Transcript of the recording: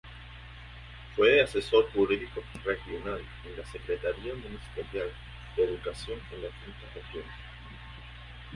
Fue asesor jurídico regional en la Secretaría Ministerial de Educación en la V Región.